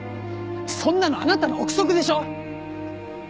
そんなのあなたの臆測でしょ！